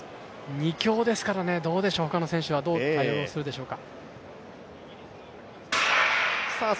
２強ですからね、ほかの選手はどう対応するでしょうか？